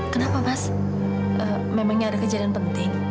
kenapa mas memangnya ada kejadian penting